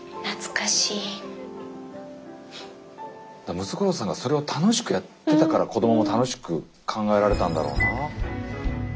ムツゴロウさんがそれを楽しくやってたから子どもも楽しく考えられたんだろうな。